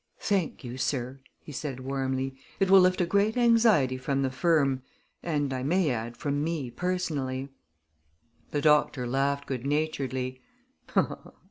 "Thank you, sir," he said warmly. "It will lift a great anxiety from the firm, and, I may add, from me, personally." The doctor laughed good naturedly.